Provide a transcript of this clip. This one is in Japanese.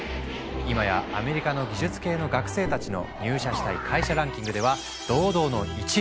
今やアメリカの技術系の学生たちの入社したい会社ランキングでは堂々の１位。